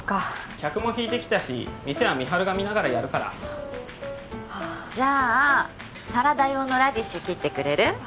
客も引いてきたし店は美晴が見ながらやるからはあじゃあサラダ用のラディッシュ切ってくれる？